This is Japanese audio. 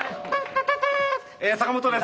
坂本です。